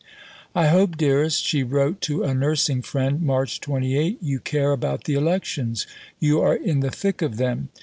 "I hope, dearest," she wrote to a nursing friend (March 28), "you care about the elections. You are in the thick of them.